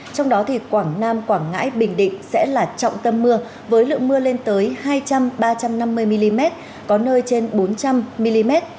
trong đó thì quảng nam quảng ngãi bình định sẽ là trọng tâm mưa với lượng mưa lên tới hai trăm linh ba trăm năm mươi mm có nơi trên bốn trăm linh mm